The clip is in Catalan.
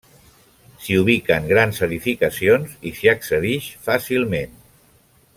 S'hi ubiquen grans edificacions i s'hi accedix fàcilment.